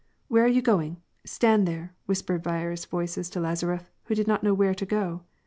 " Where are you going ? Stand there !" whispered yarious voices to Lazaref, who did not know where to go.